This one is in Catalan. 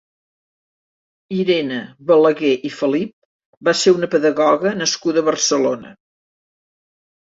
Irene Balaguer i Felip va ser una pedagoga nascuda a Barcelona.